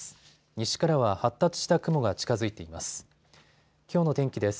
西からは発達した雲が近づいています。